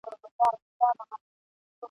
چي سړی پر لاپو شاپو وو راغلی !.